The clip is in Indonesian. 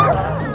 gak ada loh